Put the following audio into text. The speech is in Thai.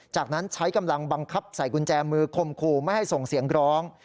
จากนั้นใช้กำลังบังคับใส่กุญแจมือคมคู่ไม่ให้ส่งเสียงร้อง